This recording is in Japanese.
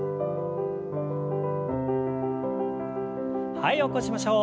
はい起こしましょう。